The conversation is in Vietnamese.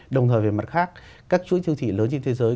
đồng thời về mặt khác các chuỗi siêu thị lớn trên thế giới